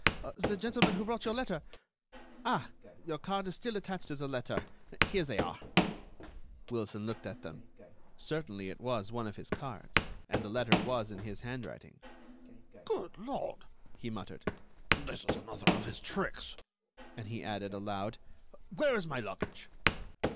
"The gentleman who brought your letter.... Ah! your card is still attached to the letter. Here they are." Wilson looked at them. Certainly, it was one of his cards, and the letter was in his handwriting. "Good Lord!" he muttered, "this is another of his tricks," and he added, aloud: "Where is my luggage?"